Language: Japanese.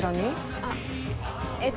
あっえっと